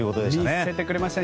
見せてくれましたね！